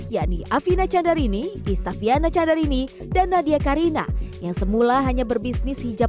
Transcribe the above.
yakni afina candarini istafiana candarini dan nadia karina yang semula hanya berbisnis hijab